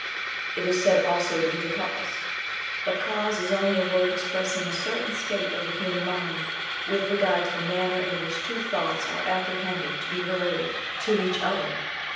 It is said also to be the cause. But cause is only a word expressing a certain state of the human mind with regard to the manner in which two thoughts are apprehended to be related to each other.